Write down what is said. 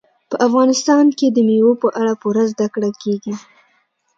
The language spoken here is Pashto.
په افغانستان کې د مېوو په اړه پوره زده کړه کېږي.